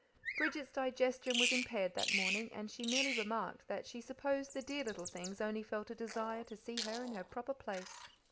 Bridget's digestion was impaired that morning, and she merely remarked that she supposed the dear little things only felt a desire to see her in her proper place.